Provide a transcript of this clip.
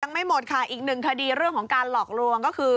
ไม่หมดค่ะอีกหนึ่งคดีเรื่องของการหลอกลวงก็คือ